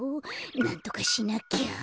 なんとかしなきゃ。